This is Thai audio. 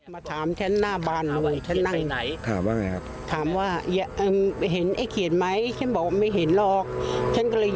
มาถามแค่หน้าบานหนูแค่นั่ง